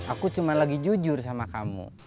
aku cuma lagi jujur sama kamu